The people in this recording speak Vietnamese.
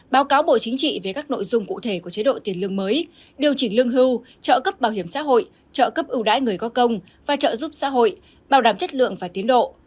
báo cáo bộ chính trị về các nội dung cụ thể của chế độ tiền lương mới điều chỉnh lương hưu trợ cấp bảo hiểm xã hội trợ cấp ưu đãi người có công và trợ giúp xã hội bảo đảm chất lượng và tiến độ